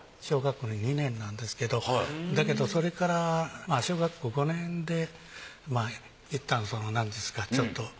小学校の２年なんですけどだけどそれから小学校５年でいったんなんですかちょっと。